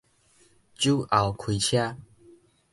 酒後開車